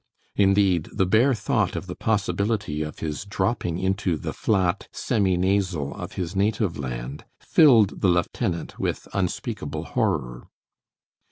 Indeed, the bare thought of the possibility of his dropping into the flat, semi nasal of his native land filled the lieutenant with unspeakable horror.